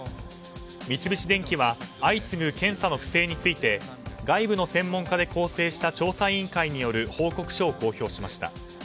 三菱電機は相次ぐ検査の不正について外部の専門家で構成した調査委員会による報告書を公表しました。